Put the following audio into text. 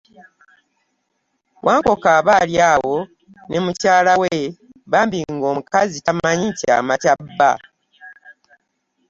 Wankoko aba ali awo ne mukyala we bambi ng’omukazi tamanyi kyama kya bba.